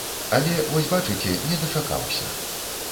Але, вось бачыце, не дачакаўся.